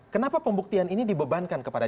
kenapa pembuktian ini dibebankan kepada